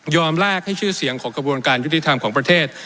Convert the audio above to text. ลากให้ชื่อเสียงของกระบวนการยุติธรรมของประเทศ